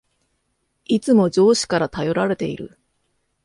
いつも上司から頼られている